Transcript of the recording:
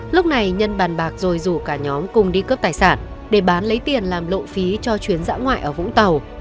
lúc này nhân bàn bạc rồi rủ cả nhóm cùng đi cướp tài sản để bán lấy tiền làm lộ phí cho chuyến dã ngoại ở vũng tàu